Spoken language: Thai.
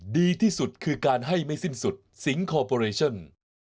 ดีที่สุดคือการให้ไม่สิ้นสุดสิงคอร์ปอเรชั่น